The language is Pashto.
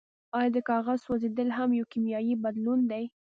ایا د کاغذ سوځیدل هم یو کیمیاوي بدلون دی